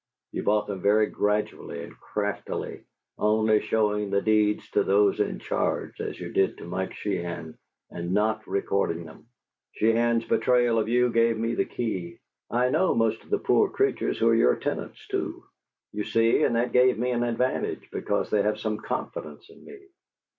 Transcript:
You bought them very gradually and craftily, only showing the deeds to those in charge as you did to Mike Sheehan, and not recording them. Sheehan's betrayal of you gave me the key; I know most of the poor creatures who are your tenants, too, you see, and that gave me an advantage because they have some confidence in me.